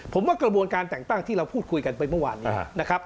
ผมว่ากระบวนการแต่งตั้งที่เราพูดคุยกันไปเมื่อวานนี้นะครับ